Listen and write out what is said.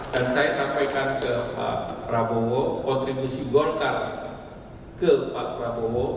dan saya sampaikan ke pak prabowo kontribusi golkar ke pak prabowo